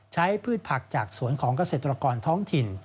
พืชผักจากสวนของเกษตรกรท้องถิ่น